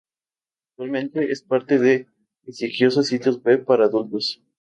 Actualmente es parte de prestigiosos sitios web para adultos.